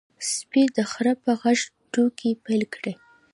سپي د خره په غږ ټوکې پیل کړې.